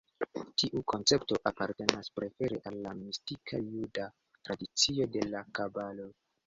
Tiu koncepto apartenas prefere al la mistika juda tradicio de la Kabalo.